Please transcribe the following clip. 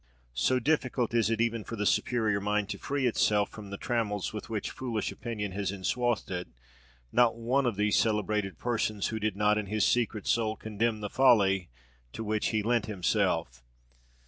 So difficult is it even for the superior mind to free itself from the trammels with which foolish opinion has enswathed it not one of these celebrated persons who did not in his secret soul condemn the folly to which he lent himself.